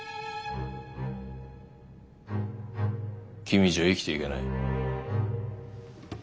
君じゃ生きていけない。